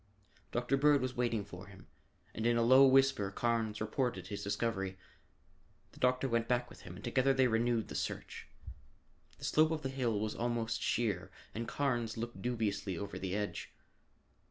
Dr. Bird was waiting for him, and in a low whisper Carnes reported his discovery. The doctor went back with him and together they renewed the search. The slope of the hill was almost sheer and Carnes looked dubiously over the edge.